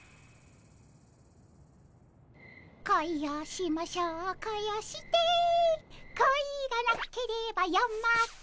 「恋をしましょう恋をして」「恋がなければ夜も明けぬ」